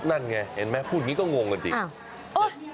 นั่นไงเห็นไหมพูดอย่างนี้ก็งงกันจริง